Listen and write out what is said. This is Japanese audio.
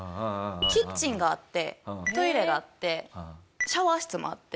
キッチンがあってトイレがあってシャワー室もあって。